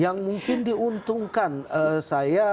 yang mungkin diuntungkan saya